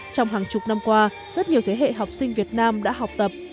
trong hàng chục năm qua rất nhiều thế hệ học sinh việt nam đã học tập